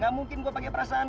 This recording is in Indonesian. gak mungkin gue pakai perasaan